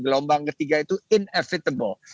lombang ketiga itu inevitable